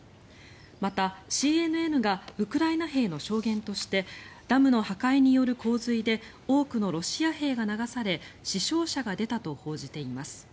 また、ＣＮＮがウクライナ兵の証言としてダムの破壊による洪水で多くのロシア兵が流され死傷者が出たと報じています。